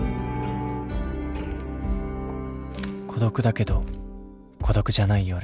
孤独だけど孤独じゃない夜。